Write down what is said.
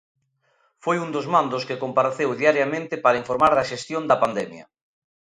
Foi un dos mandos que compareceu diariamente para informar da xestión da pandemia.